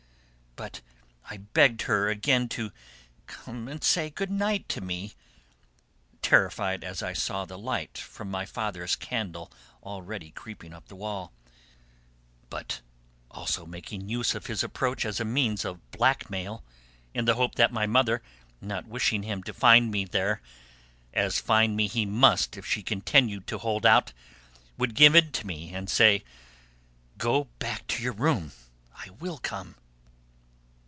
But I begged her again to "Come and say good night to me!" terrified as I saw the light from my father's candle already creeping up the wall, but also making use of his approach as a means of blackmail, in the hope that my mother, not wishing him to find me there, as find me he must if she continued to hold out, would give in to me, and say: "Go back to your room. I will come."